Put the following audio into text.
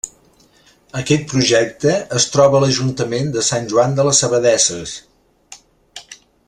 Aquest projecte es troba a l'Ajuntament de Sant Joan de les Abadesses.